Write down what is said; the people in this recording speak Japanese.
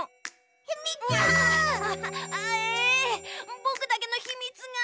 ぼくだけのひみつが！